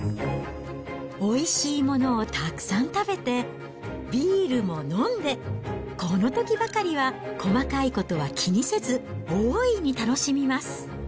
おいしいものをたくさん食べて、ビールも飲んで、このときばかりは細かいことは気にせず大いに楽しみます。